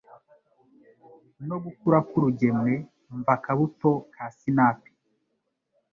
no gukura k'urugemwe mv'akabuto ka sinapi,